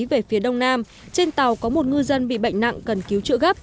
về phía đông nam trên tàu có một ngư dân bị bệnh nặng cần cứu trợ gấp